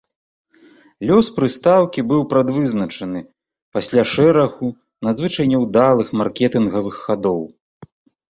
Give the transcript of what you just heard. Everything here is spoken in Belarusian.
Лёс прыстаўкі быў прадвызначаны пасля шэрагу надзвычай няўдалых маркетынгавых хадоў.